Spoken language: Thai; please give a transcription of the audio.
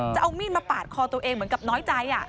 จะเอามีดมาปาดคอตัวเองเหมือนกับน้อยใจ